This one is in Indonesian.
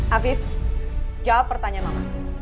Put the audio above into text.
afif jawab pertanyaan mama